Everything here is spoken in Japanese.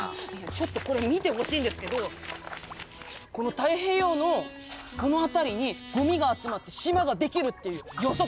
ちょっとこれ見てほしいんですけどこの太平洋のこの辺りにごみが集まって島ができるっていう予測があるんですよ。